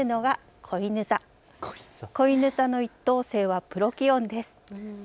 こいぬ座の１等星はプロキオンです。